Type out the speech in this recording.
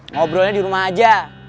ngobrolnya dirumah aja